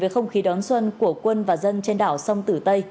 với không khí đón xuân của quân và dân trên đảo sông tử tây